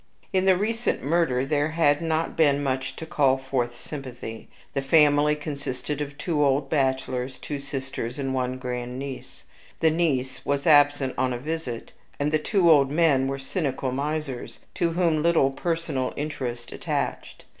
In the recent murder there had not been much to call forth sympathy. The family consisted of two old bachelors, two sisters, and one grandniece. The niece was absent on a visit, and the two old men were cynical misers, to whom little personal interest attached.